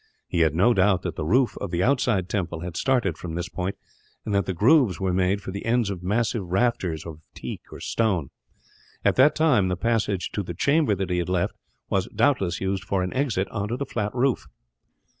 He had no doubt that the roof of the outside temple had started from this point; and that the grooves were made for the ends of massive rafters, of teak or stone. At that time the passage to the chamber that he had left was, doubtless, used for an exit on to the flat roof.